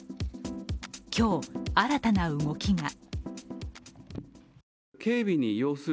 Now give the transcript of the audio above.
今日、新たな動きが。